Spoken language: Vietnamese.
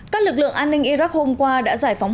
các lực lượng an ninh iraq hôm qua đã giải phóng